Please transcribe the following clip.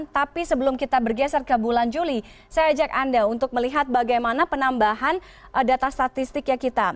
tapi sebelum kita bergeser ke bulan juli saya ajak anda untuk melihat bagaimana penambahan data statistiknya kita